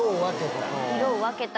色を分けた？